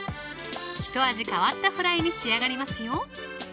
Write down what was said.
ひと味変わったフライに仕上がりますよ